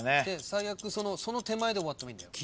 最悪その手前で終わってもいいんだよ。